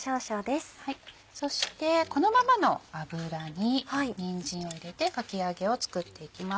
そしてこのままの油ににんじんを入れてかき揚げを作っていきます。